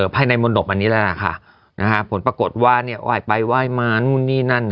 ภายในมนตบอันนี้แหละค่ะนะฮะผลปรากฏว่าเนี่ยไหว้ไปไหว้มานู่นนี่นั่น